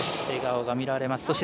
笑顔が見られます。